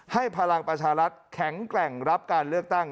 พลังประชารัฐแข็งแกร่งรับการเลือกตั้ง